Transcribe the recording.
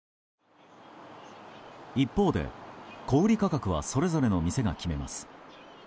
一方で小売価格はそれぞれの店が決めます。